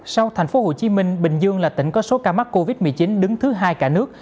sau thành phố hồ chí minh bình dương là tỉnh có số ca mắc covid một mươi chín đứng thứ hai cả nước